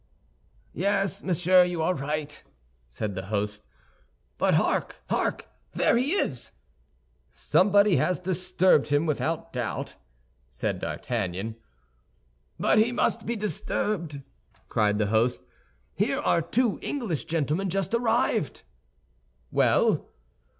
"Yes, monsieur, you are right," said the host. "But, hark, hark! There he is!" "Somebody has disturbed him, without doubt," said D'Artagnan. "But he must be disturbed," cried the host; "Here are two English gentlemen just arrived." "Well?"